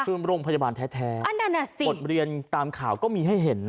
คือโรงพยาบาลแท้บทเรียนตามข่าวก็มีให้เห็นนะ